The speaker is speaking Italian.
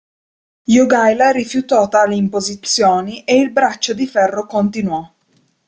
Jogaila rifiutò tali imposizioni e il braccio di ferro continuò.